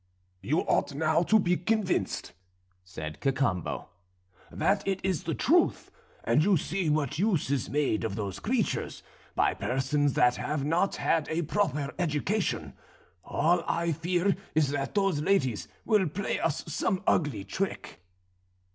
"You ought now to be convinced," said Cacambo, "that it is the truth, and you see what use is made of those creatures, by persons that have not had a proper education; all I fear is that those ladies will play us some ugly trick."